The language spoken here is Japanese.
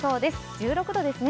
１６度ですね。